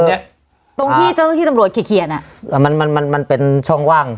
ตรงเนี้ยตรงที่ตรงที่ตำรวจเขียนเขียนอ่ะอ่ามันมันมันมันเป็นช่องว่าง